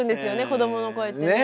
子どもの声ってね。